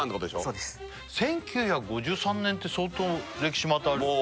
そうです１９５３年って相当歴史またあるよね